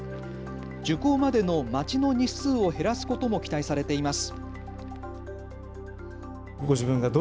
受講までの待ちの日数を減らすことも期待されています。